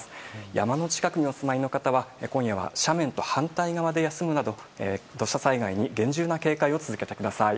山の近くにお住まいの方は今夜は斜面と反対側で休むなど土砂災害に厳重な警戒を続けてください。